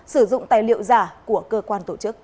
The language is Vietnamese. sử dụng tài liệu giả